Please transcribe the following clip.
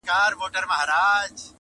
o چورت ئې واهه، خورجين ئې بايلوی.